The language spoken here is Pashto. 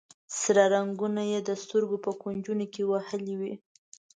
سره رنګونه یې د سترګو په کونجونو کې وهلي وي.